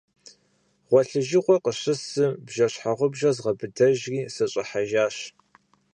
Гъуэлъыжыгъуэр къыщысым, бжэщхьэгъубжэр згъэбыдэжри сыщӏыхьэжащ.